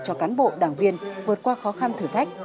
cho cán bộ đảng viên vượt qua khó khăn thử thách